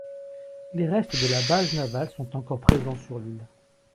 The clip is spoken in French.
Les restes de la base navale sont encore présents sur l'île.